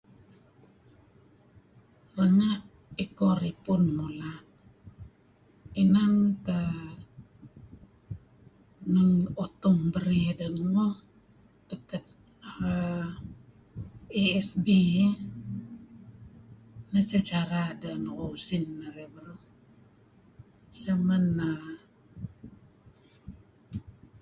Pengeh iko ripun mula' inan teh nun utung berey deh ngemuh ketad ASB eh neh sah cara deh nu'uh usin narih beruh. Seh men err